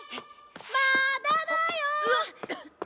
まーだだよ！